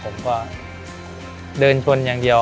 ผมก็เดินชนอย่างเดียว